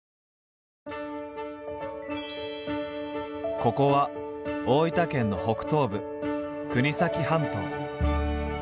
ここは大分県の北東部国東半島。